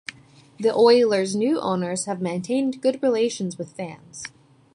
The Oilers' new owners have maintained good relations with fans.